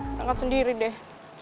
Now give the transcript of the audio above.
berangkat sendiri deh